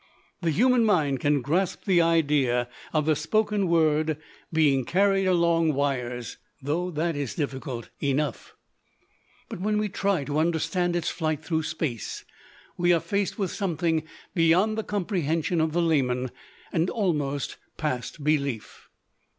The human mind can grasp the idea of the spoken word being carried along wires, though that is difficult enough, but when we try to understand its flight through space we are faced with something beyond the comprehension of the layman and almost past belief.